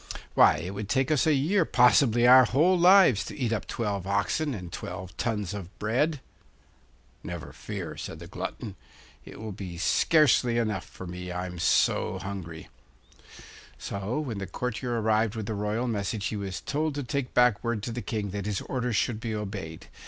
Why, it would take us a year, possibly our whole lives, to eat up twelve oxen and twelve tons of bread.' 'Never fear,' said the glutton. 'It will scarcely be enough for me, I'm so hungry.' So when the courtier arrived with the royal message he was told to take back word to the King that his orders should be obeyed.